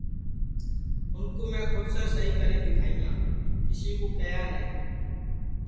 اُن کُو میں کھود سے سہی کری دؔیکھائیاں کیسی کیہیا نائی